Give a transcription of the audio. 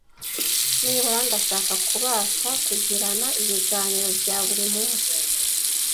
Nibura, ndashaka kubasha kugirana ibiganiro bya buri munsi.